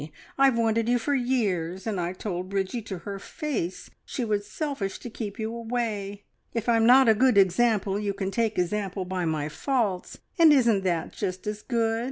I've wanted you for years, and I told Bridgie to her face she was selfish to keep you away. If I'm not a good example, you can take example by my faults, and isn't that just as good?